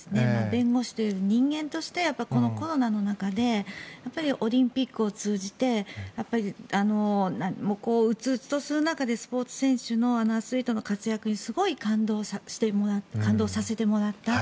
弁護士というより人間としてこのコロナの中でオリンピックを通じてうつうつとする中でスポーツ選手アスリートの活躍にすごい感動をさせてもらった。